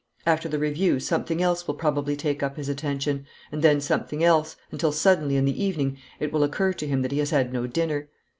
After the review something else will probably take up his attention, and then something else, until suddenly in the evening it will occur to him that he has had no dinner.